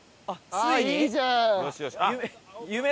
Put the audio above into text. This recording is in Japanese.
ついに？